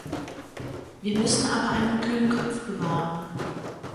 Wir müssen aber einen kühlen Kopf bewahren.